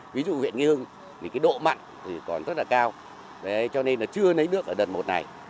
ví dụ huyện nghê hưng độ mặn còn rất là cao cho nên chưa lấy nước ở đợt một này